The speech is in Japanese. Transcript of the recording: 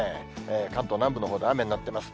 関東南部のほうで雨になってます。